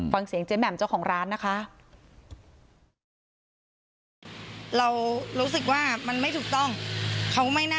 ฟังเสียงเจ๊แหม่มเจ้าของร้านนะคะ